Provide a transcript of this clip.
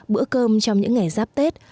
bữa cơm trong những ngày giáp tết